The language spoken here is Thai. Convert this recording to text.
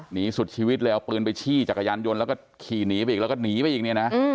หนีสุดชีวิตเลยเอาปืนไปชี้จักรยานยนต์แล้วก็ขี่หนีไปอีกแล้วก็หนีไปอีกเนี่ยนะ